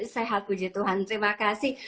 sehat puji tuhan terima kasih